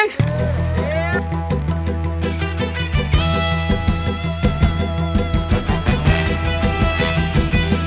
ini rumahnya apaan